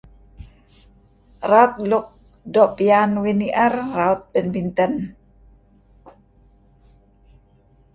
Raut luk doo' piyan uih ni'er ialah raut badminton.